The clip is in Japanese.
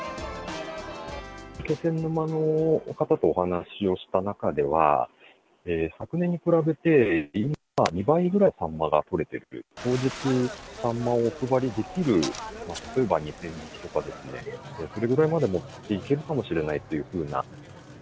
気仙沼の方とお話をした中では、昨年に比べて、２倍くらいサンマが取れてるという、当日、サンマをお配りできる、例えば２０００匹とかですね、それぐらいまで持っていけるかもしれないというふうな。